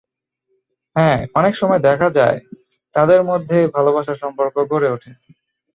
হ্যাঁ, অনেক সময় দেখা যায়, তাদের মধ্যে ভালোবাসার সম্পর্ক গড়ে ওঠে।